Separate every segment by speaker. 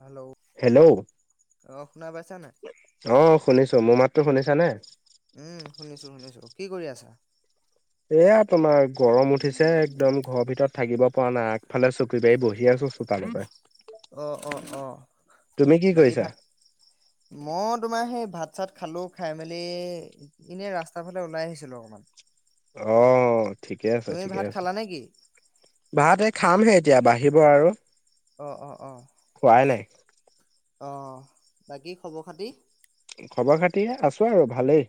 Speaker 1: Hello
Speaker 2: hello
Speaker 1: অ শুনা পাইছা নাই?
Speaker 2: আহ শুনিছো। মোৰ মাতটো শুনিছানে?
Speaker 1: উম শুনিছো শুনিছো কি কৰি আছা
Speaker 2: এয়া তোমাৰ গৰম উঠিছে একদম ঘৰৰ ভিতৰত থাকিব পৰা নাই আগফালে চকী বাৰী বহি আছো [unintelligible]
Speaker 1: অ অ অ
Speaker 2: তুমি কি
Speaker 1: বাকী
Speaker 2: কৰিছা
Speaker 1: ভাত মই তোমাৰ সেই ভাত চাত খালো খাই মেলি এনে ৰাস্তাৰ ফালে ওলাই আহিছিলো অকমান
Speaker 2: অ ঠিকে আছে
Speaker 1: তুমি
Speaker 2: ঠিকে
Speaker 1: ভাত
Speaker 2: আছে
Speaker 1: খালা নে কি?
Speaker 2: ভাতে এই খামহে এতিয়া বাঢ়িব আৰু
Speaker 1: অ অ অ
Speaker 2: খোৱাই নাই
Speaker 1: আহ বাকী খবৰ খাতি
Speaker 2: খবৰ খাতি আছো আৰু ভালেই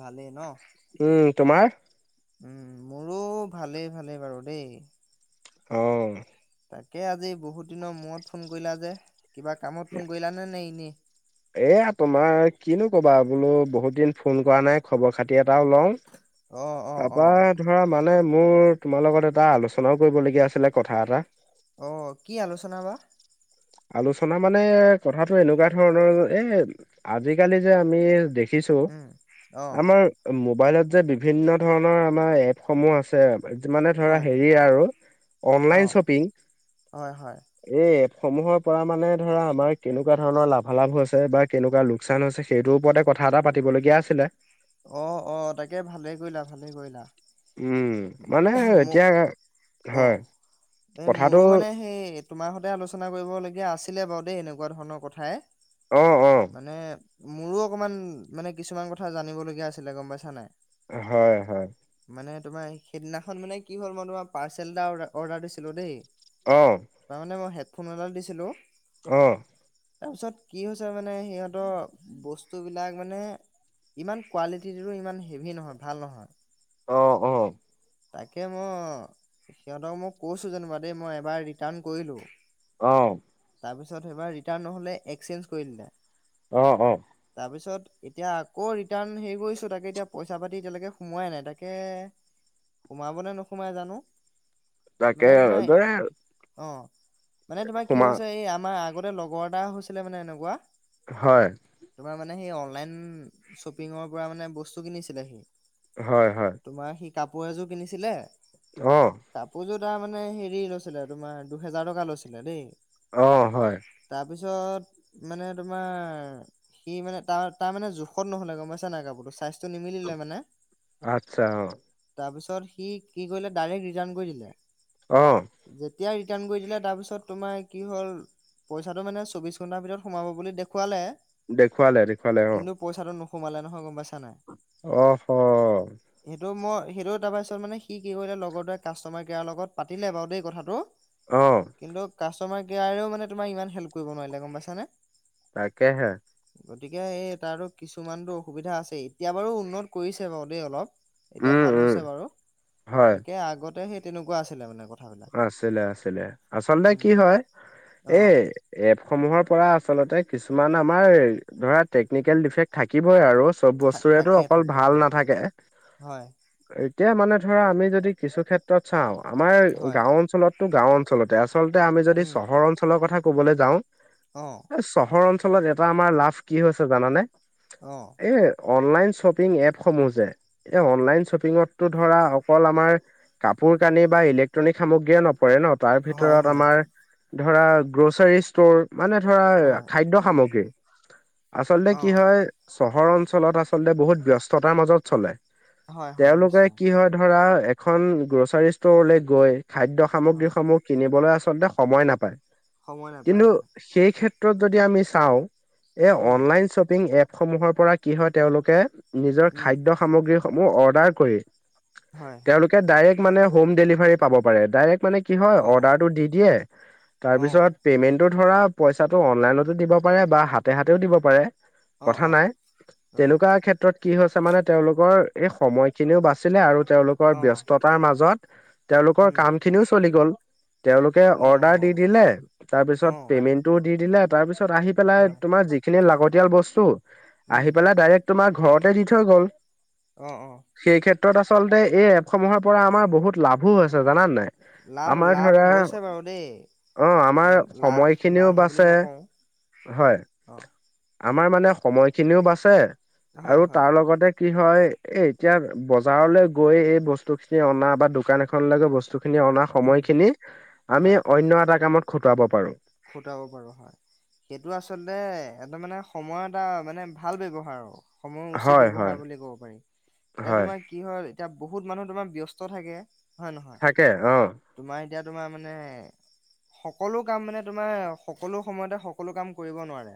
Speaker 1: ভালেই ন
Speaker 2: উম তোমাৰ
Speaker 1: উম মোৰো ভালেই ভালেই বাৰু দেই।
Speaker 2: অ।
Speaker 1: তাকে আজি বহুত দিনৰ মূৰত ফোন কৰিলা যে কিবা কামত ফোন কৰিলানে নে এনেই।
Speaker 2: এয়া তোমাৰ কিনো কবা বোলো বহুত দিন ফোন কৰা নাই খবৰ খাতি এটাও লওঁ।
Speaker 1: অ অ অ
Speaker 2: তাৰাপা ধৰা মান মানে মোৰ তোমাৰ লগত এটা আলোচনাও কৰিবলগীয়া আছিলে কথা এটা।
Speaker 1: অ কি আলোচনা বা?
Speaker 2: আলোচনা মানে কথাটো এনেকুৱা ধৰণৰ এ আজিকালি যে আমি দে দেখিছো
Speaker 1: উম অ
Speaker 2: আমাৰ মোবাইলত যে বিভিন্ন ধৰণৰ আমাৰ এপ সমূহ আছে। মানে ধৰা
Speaker 1: হয়
Speaker 2: হেৰি আৰু
Speaker 1: অ
Speaker 2: অনলাইন শ্বপিং
Speaker 1: হয় হয়
Speaker 2: এই সমূহৰ পৰা মানে ধৰা আমাৰ কেনেকুৱা ধৰণৰ লাভালাভ হৈছে বা কেনেকুৱা লোকচান হৈছে সেইটোৰ ওপৰতে কথা। কথা এটা পাতিবলগীয়া আছিলে।
Speaker 1: অ অ তাকে ভালে কৰিলা ভালে কৰিলা।
Speaker 2: উম মানে
Speaker 1: ম
Speaker 2: এতিয়া হয়
Speaker 1: অ'। এই মোৰো
Speaker 2: কথাটো।
Speaker 1: মানে সেই তোমাৰ সতে আলোচনা কৰিবলগীয়া আছিলে বাৰু দেই এনেকুৱা ধৰণৰ কথাই।
Speaker 2: আহ অ।
Speaker 1: মানে মোৰো অকমান মানে কিছুমান কথা জানিব লগগীয়া আছিলে গম পাইছা নাই।
Speaker 2: হয় হয়।
Speaker 1: মানে তোমাৰ সেইদিনাখন মানে কি হ'ল মই তোমাৰ পাৰ্চেল এটা অৰ্ডাৰ দিছিলো দেই।
Speaker 2: অ
Speaker 1: তোমাৰ মানে মই হেডফোন এডাল দিছিলো।
Speaker 2: আহ।
Speaker 1: তাৰপিছত কি হৈছে মানে সিহঁতৰ বস্তু বিলাক মানে ইমান কুৱোৱালিটো ইমান হেভি নহয় ভাল নহয়।
Speaker 2: অ অ।
Speaker 1: তাকে মই সিহঁতক মই কৈছো যেনিবা দেই মই এবাৰ ৰিটাৰ্ণ কৰিলো।
Speaker 2: আহ।
Speaker 1: তাৰপিছত এইবাৰ ৰিটাৰ্ণ নহ'লে এক্সেঞ্জ কৰি দিলো।
Speaker 2: আহ অ।
Speaker 1: তাৰপিছত এতিয়া আকৌ ৰিটাৰ্ণ হেৰি কৰিছো তাকে এতিয়া পইচা পাতি এতিয়ালৈকে সোমোৱাই নাই। তাকে সোমাবনে নোসোমাই জানো? মানে
Speaker 2: তাকে।
Speaker 1: তোমাৰ অ মানে তোমাৰ কি
Speaker 2: সোমা
Speaker 1: হৈছে এই আমাৰ আগতে লগৰ এটা হৈছিলে মানে এনেকুৱা।
Speaker 2: হয়।
Speaker 1: মে সেই অনলাইন শ্বপিঙৰ পৰা মানে বস্তু কিনিছিলে সি।
Speaker 2: হয় হয়।
Speaker 1: তোমাৰ সি কাপোৰ এযোৰ কিনিছিলে।
Speaker 2: আহ।
Speaker 1: টা মানে হেৰি লৈছিলে তোমাৰ দুহেজাৰ টকা লৈছিলে দেই।
Speaker 2: অ হয়।
Speaker 1: তাৰপিছত মানে তোমাৰ সি মানে তাৰ তাৰ মানে জোখত নহলে গম পাইছা নাই কাপোৰ। চাইজ টো নিমিলে মানে।
Speaker 2: আত্ছা।
Speaker 1: তাৰপিছত সি কি কৰিলে ডাইৰেক্ট ৰিটাৰ্ণ কৰি দিলে,
Speaker 2: অ',
Speaker 1: যেতিয়া ৰি- ৰিটাৰ্ণ কৰি দে তাৰ পিছত তোমাৰ কি হল পইচাটো মানে চৌবিশ ঘন্ট ভিতৰত সোমাব বুলি দেখুৱালে।
Speaker 2: দেখুৱালে দেখুৱালে অ।
Speaker 1: কিন্তু পইচাটো নোসোমালে নহয় গম পাইছে
Speaker 2: আহ হ।
Speaker 1: তো সেইটো তাৰপািছত মানেি কি কৰিলে লগৰ দোৱৰে কাষ্টমাৰ কেয়াৰ লগত পাতিলে বাৰু দেই কথাটো।
Speaker 2: অ',
Speaker 1: কিন্তু কাষ্টমাৰ কেয়াৰেও মানে তোমাৰ ইমান হেল্প কৰিব নোৱাৰিলে গম পাইছানে?
Speaker 2: তাকেহে।
Speaker 1: গতিকে এই তাতো কিছুমানতো অসুবিধা আছে। এতিয়া বাৰু উন্নত কৰিছে বাৰু দেই অলপ। এতিয়া
Speaker 2: উম,
Speaker 1: ভাল
Speaker 2: উম,
Speaker 1: হৈছে বাৰু।
Speaker 2: হয়,
Speaker 1: তাকে আগতে সেই তেনেকুৱা আছিলে মানে ক
Speaker 2: আছিলে, আছিলে আচলতে কি
Speaker 1: উম
Speaker 2: হয়
Speaker 1: অ
Speaker 2: এই এপসমূহৰ পৰা আচল্ত কিছুমান আমাৰ ধৰা টেকনিকেল ডিফেক্ট থাকিবই আৰু চব
Speaker 1: থা
Speaker 2: বস্তুৰেতটো
Speaker 1: থাকে
Speaker 2: অকল
Speaker 1: থাকে
Speaker 2: ভাল
Speaker 1: হয়
Speaker 2: নাথাকে।
Speaker 1: হয়
Speaker 2: এতিয়া মানে ধৰা আমি যদি কিছু ক্ষেত্ৰত চাওঁ আমাৰ
Speaker 1: হয়
Speaker 2: গাও অঞ্চলতটো গাও অঞ্চলতে আচল্ততে আমি যদি
Speaker 1: উম
Speaker 2: চহৰ অঞ্চলৰ কথা কবলৈ যাওঁ।
Speaker 1: অ
Speaker 2: চহৰ অঞ্চলত এটা আমাৰ লাভ কি হৈছে জানানে।
Speaker 1: অ
Speaker 2: এ অনলাইন শ্বপিং এপসমূহ যে এই অনলাইন শ্বপিংতো ধৰা অকল আমাৰ কাপোৰ কালি বা ইলে্ একট্ৰনিক সামগ্ৰীয়ে নপৰে ন তাৰ
Speaker 1: হয়
Speaker 2: ভিতৰত
Speaker 1: হয়
Speaker 2: আমাৰ ধৰা গ্ৰ'চাৰী ষ্ট'ৰ মানে ধৰা
Speaker 1: হয়
Speaker 2: খাদ্য সামগ্ৰী। আচলতে
Speaker 1: অ
Speaker 2: কি হয় চহৰ অঞ্চলত আচলতে বহুত ব্যস্ততাৰ মাজত চলে।
Speaker 1: হয় হয়
Speaker 2: তেওঁলোকে
Speaker 1: নিশ্চয়
Speaker 2: কি হয় ধৰা এখন গ্ৰ'চাৰী ষ্টৰলে গৈ খাদ্যয়
Speaker 1: হয়
Speaker 2: সামগ্ৰীসমূহ কিনিবলৈ আচল্ততে সময় নাপায়।
Speaker 1: সময়
Speaker 2: কিন্তু
Speaker 1: নাপায় হয়
Speaker 2: সেই ক্ষেত্ৰত যদি আমি চাওঁ এই
Speaker 1: উম
Speaker 2: অনলাইন শ্বপিং এপ সমূহৰ পৰা কি হয় তেওঁলোকে নিজৰ
Speaker 1: উম
Speaker 2: খাদ্যয় সামগ্ৰীসমূহ অৰ্ডাৰ কৰি
Speaker 1: হয়
Speaker 2: তেওঁলোকে ডাইৰেক্ট মানে হোম ডেলিভাৰী পাব পাৰে ডাইৰেক্ট মানে কি হয়
Speaker 1: অ
Speaker 2: অৰ্দা দি দ
Speaker 1: অ
Speaker 2: তাৰপিছ ধৰা পইচাটো অনলাইনতো দিব পাৰে। বা হাতে হাতেও দিব পাৰে।
Speaker 1: অ
Speaker 2: কথা
Speaker 1: অ
Speaker 2: নাই
Speaker 1: অ
Speaker 2: তেনেকুৱা ক্ষেত্ৰত কি হৈছে মানে তেওঁলোকৰ এই সময়খিনিও বাচিলে আৰু তেওঁলোকৰ
Speaker 1: অ
Speaker 2: ব্যস্ততাৰ মাজত তেওঁলোকৰ
Speaker 1: উম
Speaker 2: কাম খিনিও চলি গ'ল। তেওঁলোকে
Speaker 1: অ
Speaker 2: অৰ্ডাৰ দি দিলে
Speaker 1: অ
Speaker 2: তাৰপিছত পেমেন্টটো দি দিলে। তাৰ পিছত আহি পেলাই
Speaker 1: হয়
Speaker 2: তোমাৰ যিখিনি লাগতিয়াল বস্তু
Speaker 1: উম
Speaker 2: আহি পেলাই ডাইৰেক্ তোমাৰ ঘৰতে দি থৈ গ'ল।
Speaker 1: অঁ অঁ
Speaker 2: ক্ষ্ৰত আচল্ততে এই এপসমূহৰ পৰা আমাৰ বহুত লাভো হৈছে জান নাই।
Speaker 1: লাভ
Speaker 2: আমাৰ
Speaker 1: লাভ
Speaker 2: ধৰা
Speaker 1: হৈছে বাৰু দেই
Speaker 2: অ আমাৰ
Speaker 1: লাভ
Speaker 2: সময়খিনিও
Speaker 1: নহ বুলি
Speaker 2: বাচে
Speaker 1: নকওঁ।
Speaker 2: হয়
Speaker 1: অ
Speaker 2: আমাৰ মানে সময়খিনিও বাচে
Speaker 1: হয়
Speaker 2: আৰু
Speaker 1: হয়
Speaker 2: তাৰ লগতে কি হয় এ এতিয়া বজাৰলৈ গৈ এই বস্তু খিনি অনা বা দোকান এখনলৈ গৈ বস্তু। খিনি অনা
Speaker 1: উম
Speaker 2: সময়খিনি আমি অন্য এটা কামত খুটুৱাব পাৰো।
Speaker 1: খুটাব পাৰো হয়। সেইটো আচলতে এ মানে সময় এটা মানে ভাল ব্যৱহাৰ আৰু সময় উচিত
Speaker 2: হয়
Speaker 1: ব্যৱৱহাৰ
Speaker 2: হয়
Speaker 1: বুলি ক'ব পাৰি এতিয়া
Speaker 2: হয়
Speaker 1: তোমাৰ কি হল এতিয়া বহুত মানুহ তোমাৰ ব্যস্ত থাকে। হয়ে নহয়
Speaker 2: থাকে অ
Speaker 1: তোমাৰয়া এতিয়া তোমাৰ মানে সকলো কাম মানে তোমাৰ সকলো সময়তে সকলো কাম কৰিব নোৱাৰে।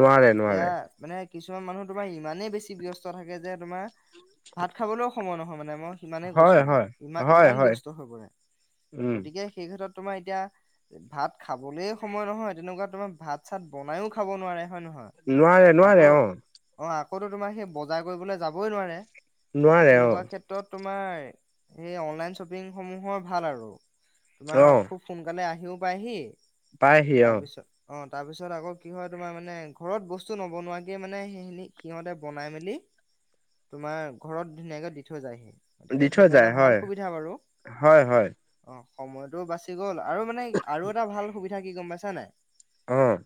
Speaker 2: নোৱাৰে,
Speaker 1: এতিয়া
Speaker 2: নোৱাৰে
Speaker 1: মানে কিছুমান মানুহ তোমাৰ ইমানেই বেছি ব্যস্ত থাকে যে তোমাৰ ভাত খাবলৈও সময় নহয় মানে মই সিমানে কৈছো
Speaker 2: হয়
Speaker 1: আৰু।
Speaker 2: হয়
Speaker 1: ইমান
Speaker 2: হয়
Speaker 1: ইমান
Speaker 2: হয়
Speaker 1: ব্যস্ত হৈ পৰে
Speaker 2: উম
Speaker 1: গতিকে সেই ক্ষেত্ৰত তোমাৰ এতিয়া ভাত খাবলে সময় নহয় তেনেকুৱা তোমাৰ ভাত চাত বনাইও খাব নোৱাৰে। হয় নহয়
Speaker 2: নোৱাৰে নোৱাৰে অ।
Speaker 1: ব [inaudible]
Speaker 2: নোৱাৰে
Speaker 1: তেনে
Speaker 2: অ
Speaker 1: তোমাৰ অনলাইন চপি্্ সমোহৰ ভাল আৰু
Speaker 2: অ
Speaker 1: পাইহি
Speaker 2: পায়হি
Speaker 1: তা
Speaker 2: অ
Speaker 1: পিছত তাৰপিছত আকৌ কি হয় তোমাৰ মানে ঘৰত বস্তু নবনোৱাকে মানে সেইখিনি সিহঁতে বনাই মেলি তোমাৰ ঘৰত ধুনীয়াকে দি থৈ যায়হি।
Speaker 2: দি
Speaker 1: গতিকে
Speaker 2: থ
Speaker 1: সেইটো এটা
Speaker 2: যায়।
Speaker 1: ভাল
Speaker 2: হয়,
Speaker 1: সুবিধা বাৰু
Speaker 2: হয়, হয়
Speaker 1: অ সময়টো বাচি গল আৰু মানে আৰু এটা ভাল সুবিধা কি গম পাইছা নাই
Speaker 2: আহ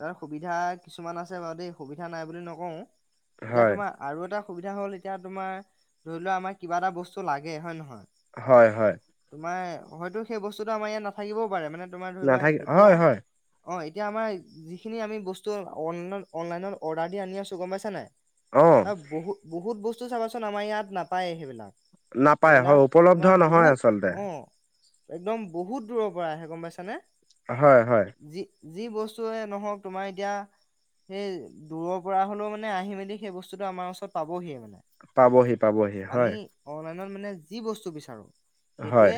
Speaker 1: তাৰ সুবিধা কিছুমান আছে বাৰু দেই সুবিধা নাই বুলি নকওঁ এতিয়া
Speaker 2: হয়
Speaker 1: তোমাৰ আৰু এটা অসুবিধা হ'ল এতিয়া তোমাৰ ধৰি লোৱা আমাৰ কিবা এটা বস্তু লাগে হয় নে নহয়
Speaker 2: হয় হয়
Speaker 1: আমাৰ হয়তো সেই বস্তুটো আমাৰ ইয়াত নাথাকিবওাৰে মানে তোমাৰ ধৰি লোৱা
Speaker 2: নাথাকে
Speaker 1: এতিয়া
Speaker 2: হয় হয়
Speaker 1: অ এতিয়া আমাৰ যিখিনি আমি বস্তু অনলাইনত অনলাইনত অৰ্ডাৰ দি আনি আছো গম পাইছ নাই অ বহুত বহুত বস্তু চাবাচোন আমাৰ ইয়াত নাপায় সেইবিলাক
Speaker 2: নাপায়
Speaker 1: সেইবিলাক
Speaker 2: হয় উপলব্ধ
Speaker 1: তোমাৰ
Speaker 2: নহয়
Speaker 1: বহুত
Speaker 2: আচলতে
Speaker 1: অ একদম বহুত দূৰৰ পৰা আহে গম পাইছানে
Speaker 2: হয় হয়
Speaker 1: যি যি বস্তুৱে নহওক তোমাৰ এতিয়া সেই দূৰৰ পৰা হলেও মানে আহি মেলি সেই বস্তুতটো আমাৰ ওচৰত পাবহিয়ে মানে
Speaker 2: পাবহি পাবহি
Speaker 1: আমি
Speaker 2: হয়
Speaker 1: অনলাইনত মানে যি বস্তু বিচাৰো
Speaker 2: হয়
Speaker 1: সেইটোৱে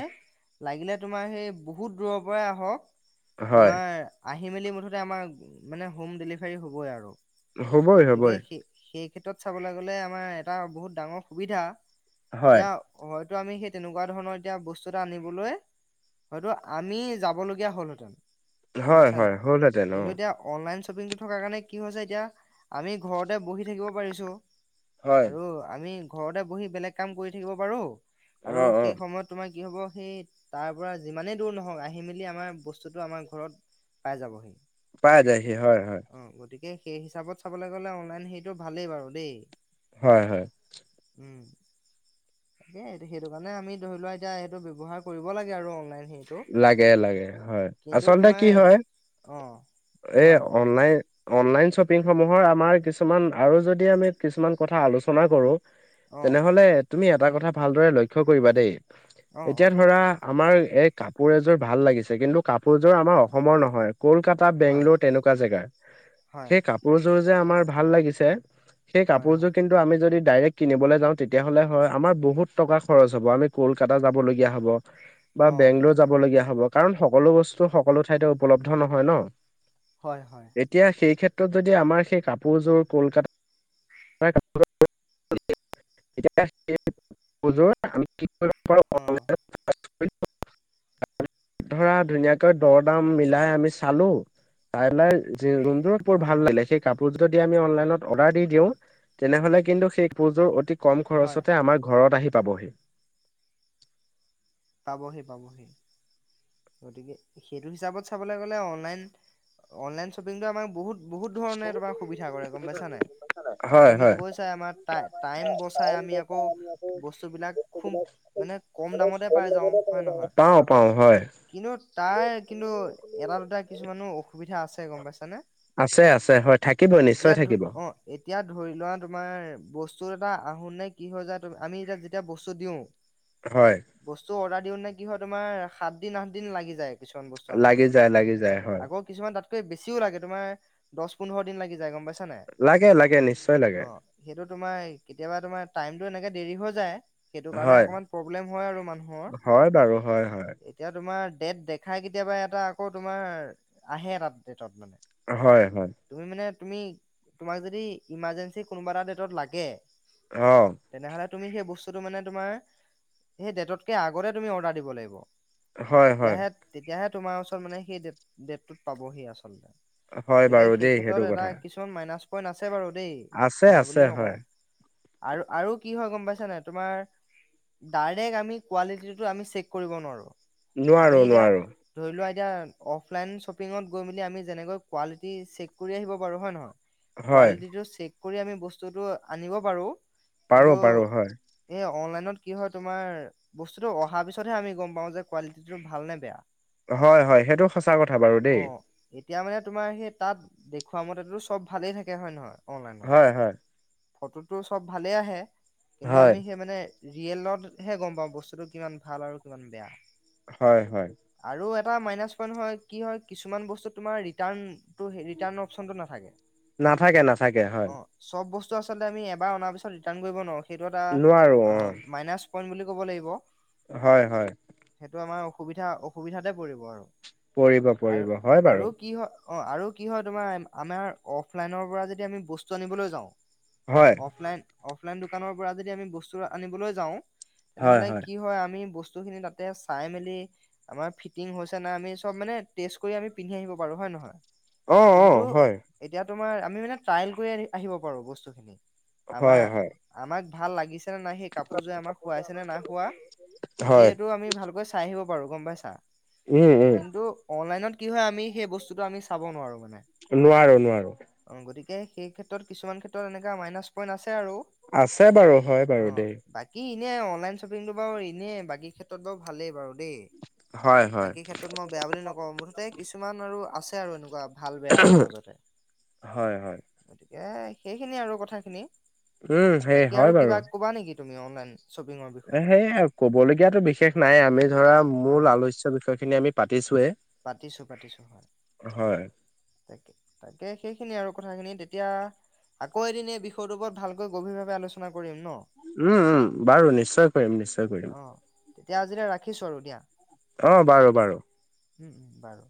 Speaker 1: লাগিলে তোমাৰ সেই বহুত দূৰৰ পৰাই আহক
Speaker 2: হয়
Speaker 1: তোমাৰ আহ হাঁহি মেলি মুঠতে আমাৰ মানে হোম ডেলিভাৰী হ'বই আৰু
Speaker 2: হ'বই
Speaker 1: গতিকে
Speaker 2: হ'বই
Speaker 1: সেই সেই ক্ষেত্ৰত চাবলৈ গ'লে আমাৰ এটা বহুত ডাঙৰ সুবিধা
Speaker 2: হয়
Speaker 1: এতিয়া হয় স তেনেুৱা ধৰণৰ এতিয়া বস্তু এ আন হয় হ'লহেঁতেন গম
Speaker 2: হয়
Speaker 1: পাইছা নাই
Speaker 2: হয় হ'লহতে ন
Speaker 1: কিন্তু এতিয়া অনলাইন শ্বপিংটো থকা কাৰণে কি হৈছে এতিয়া আমি ঘৰতে বহি থাকিব পাৰিছো
Speaker 2: হয়
Speaker 1: আৰু আমি ঘৰতে বহি বেলেগ কাম কৰি থাকিব পাৰো
Speaker 2: অ
Speaker 1: আৰু
Speaker 2: অ
Speaker 1: সেই সময়ত তোমাক কি হ'ব সেই তাৰ পৰা যিমানেই দূৰ নহওক আহি মেলি আমাৰ বস্তুতটো আমাৰ ঘৰত পাই যাবহি
Speaker 2: পাই যায়হি হয় হয়
Speaker 1: অ গতিকে সেই হিচাপত চাবলৈ গ'লে অনলাইন সেইটো ভালেই বাৰু দেই
Speaker 2: হয় হয়
Speaker 1: উম তাকেই সেইটো কাৰণে আমি ধৰি লোৱা এতিয়া এইটো ব্যৱহাৰ কৰিব লাগে আৰু অনলাইন সেইটো
Speaker 2: লাগে লাগে হয় হয়
Speaker 1: কিন্তু তোমাৰ অ কোৱা কোৱা
Speaker 2: শ্বপিংসমূহৰ আমাৰ কিছুমান আৰু যদি আমি কিছুমান কথা আলোচনা কৰোঁ
Speaker 1: অ
Speaker 2: তেনেহলে তুমি এটা কথা ভালদৰে লক্ষ্্য কৰিবা দেই
Speaker 1: অ অ
Speaker 2: এতিয়া ধৰা আমাৰ এই কাপোৰ এযোৰ ভাল লাগিছে কিন্তু কাপোৰযোৰ আমাৰ
Speaker 1: হয়
Speaker 2: অসমৰ নহয় কলকাতা
Speaker 1: হয়
Speaker 2: বেংগলোৰ তেনেকুৱা জেগা
Speaker 1: হয়
Speaker 2: সেই কাপোৰযোৰ [unintelligible] ভাল লাগিছে, সেই
Speaker 1: হয়
Speaker 2: কাপোৰযোৰ
Speaker 1: হয়
Speaker 2: কিন্তু আমি যদি ডাইৰেক্ট কিনিবলৈ যাওঁ তেতিয়া হ'লে হয় আমাৰ বহুত টকা খৰচ হ'ব আমি কলকাতা যাবলগীয়া হ'ব বা
Speaker 1: অ
Speaker 2: বেংগলোৰ যাব লগগীয়া হ'ব, কাৰণ সকলো বস্তু সকলো ঠাইতে উপলব্ধ নহয় ন
Speaker 1: হয় হয়।
Speaker 2: এতিয়া সেই [unintelligible] যদি আমাৰ সেই কাপোৰযোৰ কলকাতা
Speaker 1: অ'।
Speaker 2: [unintelligible] [inaudible] [inaudible] ধৰা ধুনীয়াকৈ দৰ দাম মিলাই আমি চালো, [unintelligible]
Speaker 1: হয় হয়
Speaker 2: [unintelligible] সেই কাপোৰোৰ যদি আমি অনলাইনত অৰ্ডাৰ দি দিওঁ তেনেহলে কিন্তু সেই [unintelligible] কম
Speaker 1: হয়
Speaker 2: খৰচতে আমাৰ ঘৰত আহি পাবহি।
Speaker 1: পাবহি', পাবহি'। গতিকে সেইটো হিচাপত চাবলৈ গ'লে অনলাইন, অনলাইন শ্বপিংটো আমাৰ বহুত বহুত ধৰণে তোমাৰ সুবিধা কৰে গম পাইছাানাই। এতিয়া
Speaker 2: হয়
Speaker 1: তুমি
Speaker 2: হয়
Speaker 1: কৈছাই আমাৰ টাই টাইম বচাই আমি আকৌ বস্তুবিলাক খুব মানে কম দামতে পাই যাওঁ হয়নে নহয়?
Speaker 2: পাওঁ পাওঁ হয়
Speaker 1: কিন্তু তাইৰ কিন্তু এটা দুটা কিছুমানো অসুবিধা আছে গম পাইছানে?
Speaker 2: আছে আছে হয় থাকিব নিশ্চয়
Speaker 1: এতিয়া ধ
Speaker 2: থাকিব
Speaker 1: অ' এতিয়া ধৰি লোৱা তোমাৰ বস [unintelligible] আমি এতিয়া যেতিয়া বস্তু দিওঁ,
Speaker 2: হয়
Speaker 1: বস্ত অৰ্ডাৰ [unintelligible] কি হয় তোমাৰ সাত দিন আঠ দিন লাগি যায় কিছুমান বস্তু আহোঁতে,
Speaker 2: লাগি যায় লাগি যায় হয়
Speaker 1: আকৌ কিছুমান ত বেছিও লাগে তোমাৰ দহ পোন্ধৰ দিন লাগি যায় গম পাইছে [unintelligible]
Speaker 2: লাগে লাগে নিশ্চয় লাগে।
Speaker 1: সেইটো তোমাৰ কেতিয়াবা তোমাৰ টাইমতটো এনেকে দেৰি হৈ যায় সেইটো কাৰণে
Speaker 2: হয়
Speaker 1: অকণমান প্ৰব্লেম হয় আৰু মানুহৰ
Speaker 2: হয় বাৰু হয় হয়
Speaker 1: এতিয়া তোমাৰ ডেট দেখাই কেতিয়াবা এটা আকৌ তোমাৰ আহে এটাত। মানে
Speaker 2: হয় হয়
Speaker 1: তুমি মানে তুমি তোমাক যদি ইমাৰজেঞ্চি কোনোবা এটা ডেটত লাগে
Speaker 2: অ'।
Speaker 1: তেনেহ'লে তুমি সেই বস্তুটো মানে তোমাৰ সেই ডেটতকে আগতে তুমি অৰ্ডাৰ দিব লাগিব
Speaker 2: হয় হয়
Speaker 1: তেতিয়াহে, তেতিয়াহে, তোমাৰ ওচৰত মানে সেই ডেটটোত পাবহি আচলতে।
Speaker 2: হয়
Speaker 1: গতিকে
Speaker 2: বাৰু
Speaker 1: সেই
Speaker 2: দেই
Speaker 1: ক্ষেত্ৰত
Speaker 2: সেইটো
Speaker 1: এটা
Speaker 2: কথা
Speaker 1: কিছুমান মাইনাচ পইন্ট আছে আছে বাৰু দেই
Speaker 2: আছে
Speaker 1: নাই
Speaker 2: আছে
Speaker 1: বুলি
Speaker 2: হয়
Speaker 1: নকওঁ আৰু, আৰু, কি হয় গম পাইছ নাই তোমাৰ ডাইৰেক্ট আমি কোৱালিটিটো আমি চেক কৰিব নোৱাৰো। আমি
Speaker 2: নোৱাৰো,
Speaker 1: এতিয়া
Speaker 2: নোৱাৰো।
Speaker 1: ধৰি লোৱা এতিয়া অফলাইন শ্বপিঙত গৈ মেলি আমি যেনেকৈ কোৱালিটি চেক কৰি আহিব পাৰো হয় নে নহয়
Speaker 2: হয়
Speaker 1: কোৱালিটিটো চেক কৰি আমি বস্তুটো আনিব পাৰো
Speaker 2: পাৰো
Speaker 1: কিন্তু
Speaker 2: পাৰো হয়
Speaker 1: এই অনলাইন ত কি হয় তোমাৰ বস্তুতটো অহাৰ পিছতহে আমি গম পাও যে কোৱালিটিটো ভাল নে বেয়া।
Speaker 2: হয়, হয়, সেইটো সঁচা কথা বাৰু দেই।
Speaker 1: তেতিয়া মানে তোমাৰ সেই তাত দেখুৱা মতেতো চব ভালেই থাকে হয় নে নহয়। অনলাইনত
Speaker 2: হয়, হয়।
Speaker 1: ফটোটো চব ভালেই আহে, কিন্তু
Speaker 2: হয়
Speaker 1: আমি সেই মানে ৰিয়েলত হে গম পাওঁ বস্তুটো কিমান ভাল আৰু কিমান বেয়া।
Speaker 2: হয়, হয়।
Speaker 1: আৰু এটা মাইনাছ পইন্ট হয় কি হয় কিছুমান বস্তুত তোমাৰ ৰিটাৰ্ণ অপচনটো নাথাকে।
Speaker 2: নাথাকে, নাথাকে,
Speaker 1: অ
Speaker 2: হয়।
Speaker 1: [unintelligible] এবাৰ অনা পিছত আমি ৰিটাৰ্ণ কৰিব নোৱাৰো সেইটো
Speaker 2: নোৱাৰো অ
Speaker 1: এটা মাইনাছ পইন্ট বুলি ক'ব লাগিব
Speaker 2: হয়, হয়।
Speaker 1: সেইটো আমাৰ অসুবিধা, অসুবিধাতে পৰিব আৰু
Speaker 2: পৰিব,
Speaker 1: আৰু
Speaker 2: পৰিব, হয়
Speaker 1: আৰু
Speaker 2: বাৰু।
Speaker 1: কি হয় অ', আৰু কি হয় তোমাৰ আমাৰ অফলাইনৰ পৰা যদি আমি বস্তু আনিবলৈ যাওঁ
Speaker 2: হয়
Speaker 1: অফলাইন অফলাইন দোকানৰ পৰা যদি আমি বস্তু আনিবলৈ যাওঁ তেনেহলে কি হয় আমি বস্তু খিনি তাত তা চাই মেলি আমাৰ ফিটিং হৈছে না আমি চব মানে টেষ্ট কৰি আমি পিন্ধি আহিব পাৰো হয় নে নহয়।
Speaker 2: অ',
Speaker 1: কিন্তু
Speaker 2: অ', হয়।
Speaker 1: এতিয়া আমি মানে ট্ৰাইল কৰি আহিব পাৰো, বস্তুখিনি আামা
Speaker 2: হয় হয়
Speaker 1: আামাক লাগিছে নে নে নাই সেই কাপোৰযোৰে আমাক শোৱাইছে নে নাই শোৱা সে
Speaker 2: হয়
Speaker 1: [unintelligible] কি
Speaker 2: উম উম
Speaker 1: হয় আমি সেই বস্তুটো আমি চাব নোৱাৰো মানে।
Speaker 2: নোৱাৰো নোৱাৰো।
Speaker 1: অ সেই গতিকে ক্ষেত্ৰত কিছুমান ক্ষেত্ৰত এনেকা মাইনাছ পইণ্ট আছে। আৰু
Speaker 2: আছে বাৰু হয় বাৰু দেই।
Speaker 1: এনেই অনলাইন শ্বপিংটো বাৰু এনেই বাকী ক্ষেত্ৰত বাৰু ভালেই বাৰু দেই
Speaker 2: হয় হয়
Speaker 1: বাকী ক্ষেত্ৰত মই বেয়া বুলি নকওঁ মুঠতে কিছুমান আৰু আছে আৰু এনেকুৱা। ভাল বেয়া আৰু মাজতে
Speaker 2: হয় হয়
Speaker 1: গতিকে সেইখিনিয়ে আৰু কথাখিনি।
Speaker 2: উম সেই
Speaker 1: বাকী আৰু
Speaker 2: হয় বাৰু।
Speaker 1: কিবা ক'বা নেকি তুমি অনলাইন, শ্বপিঙৰ
Speaker 2: এ
Speaker 1: বিষয়ে?
Speaker 2: সে ক'বলগিয়াতো বিশেষ নাই আমি ধৰা মূল আলোচ্য বিষয় খিনি আমি পাতিছো,
Speaker 1: পাতিছো পাতিছো হয়
Speaker 2: হয়
Speaker 1: তাকে, তাকে সেইখিনি আৰু কথাখিনি এতিয়া আকৌ এদিন এই বিষয়টোৰ ওপৰত ভালকৈ গভীৰ ভাৱে আলোচনা কৰিম ন'।
Speaker 2: উম, উম বাৰু নিশ্চয়, ম নিশ্চয় কৰিম
Speaker 1: অ'। তেতিয়া আজিলৈ ৰাখিছোঁ আৰু দিয়া,
Speaker 2: আহ বাৰু বাৰু।
Speaker 1: বাৰু।